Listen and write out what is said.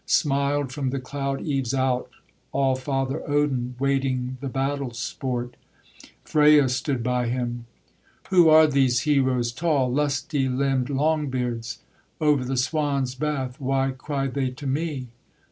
Smiled from the cloud eaves out Allfather Odin, Waiting the battle sport: Freya stood by him. 'Who are these heroes tall, Lusty limbed Longbeards? Over the swans' bath Why cry they to me?